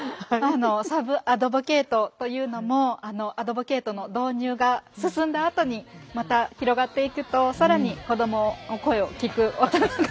サブアドボケイトというのもアドボケイトの導入が進んだあとにまた広がっていくと更に子どもの声を聴く大人が。